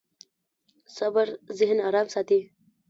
صبر ذهن ارام ساتي.